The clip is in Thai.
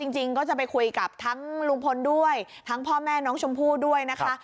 จริงก็จะไปคุยกับทั้งลุงพลด้วยทั้งพ่อแม่น้องชมพู่ด้วยนะคะ